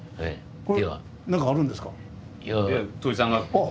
これ何かあるんですか？